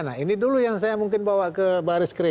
nah ini dulu yang saya mungkin bawa ke baris krim